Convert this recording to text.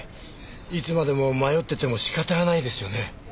いつまでも迷ってても仕方ないですよね。